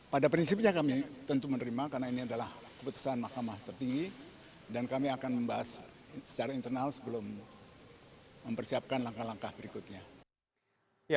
pada prinsipnya kami tentu menerima karena ini adalah keputusan mahkamah tertinggi dan kami akan membahas secara internal sebelum mempersiapkan langkah langkah berikutnya